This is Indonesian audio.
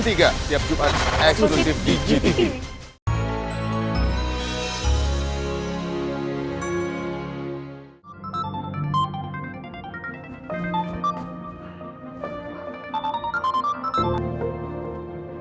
tiap jumat eksklusif di gtv